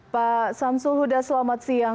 pak samsul huda selamat siang